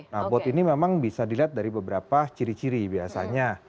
nah bot ini memang bisa dilihat dari beberapa ciri ciri biasanya